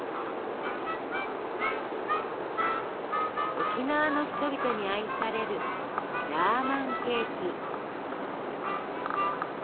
沖縄の人々に愛されるジャーマンケーキ。